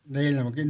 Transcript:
đây là một cái vấn đề